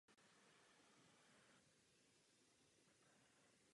Rovněž bylo neúspěšně nominováno na cenu Mercury Prize.